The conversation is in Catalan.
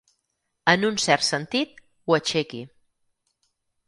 En un cert sentit, ho aixequi.